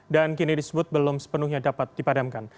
dan kini disebut belum sepenuhnya dapat dipadamkan